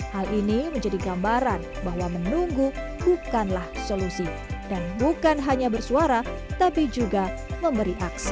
hal ini menjadi gambaran bahwa menunggu bukanlah solusi dan bukan hanya bersuara tapi juga memberi akses